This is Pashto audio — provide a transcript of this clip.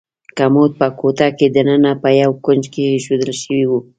کمود په کوټه کې دننه په یو کونج کې ایښودل شوی و.